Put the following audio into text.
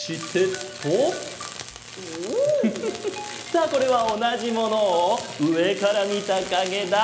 さあこれはおなじものをうえからみたかげだ。